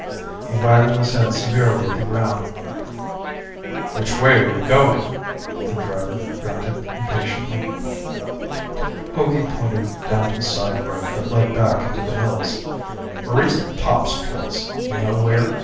He waggled his head severely at the ground. "Which way are you going?" the driver grunted impatiently. Hogey pointed down the side road that led back into the hills. "Marie's pop's place. You know where?